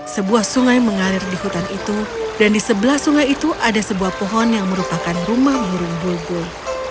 sebuah sungai mengalir di hutan itu dan di sebelah sungai itu ada sebuah pohon yang merupakan rumah burung bulbul